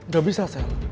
gak bisa sel